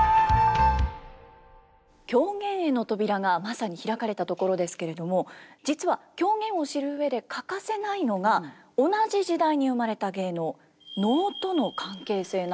狂言への扉がまさに開かれたところですけれども実は狂言を知る上で欠かせないのが同じ時代に生まれた芸能能との関係性なんです。